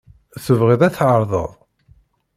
Tebɣiḍ ad tɛerḍeḍ?